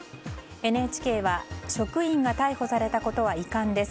ＮＨＫは職員が逮捕されたことは遺憾です。